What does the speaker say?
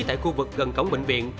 tại khu vực gần cổng bệnh viện